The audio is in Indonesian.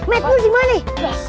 mat lu dimana nih